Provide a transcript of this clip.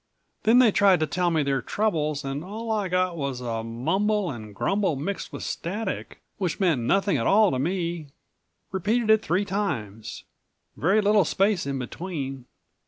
Then they tried to tell me their troubles and all I got was a mumble and grumble mixed with static, which meant nothing at all to me. Repeated it three times. Very little space in between.